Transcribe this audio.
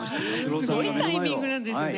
すごいタイミングなんですよね。